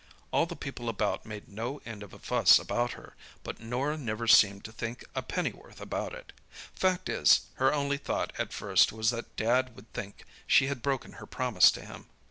"All the people about made no end of a fuss about her, but Norah never seemed to think a pennyworth about it. Fact is, her only thought at first was that Dad would think she had broken her promise to him.